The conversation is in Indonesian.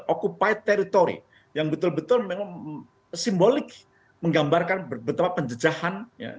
occupite territory yang betul betul memang simbolik menggambarkan betapa penjejahan